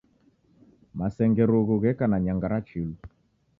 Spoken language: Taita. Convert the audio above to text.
Masenge rughu gheka na nyanga ra chilu.